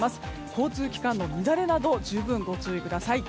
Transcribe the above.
交通機関の乱れなど十分ご注意ください。